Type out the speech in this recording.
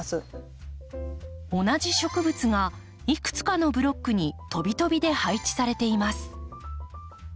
同じ植物がいくつかのブロックに飛び飛びで配置されています。